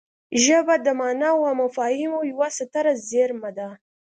ژبه د ماناوو او مفاهیمو یوه ستره زېرمه ده